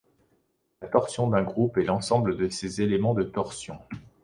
La torsion d'un groupe est l'ensemble de ses éléments de torsion.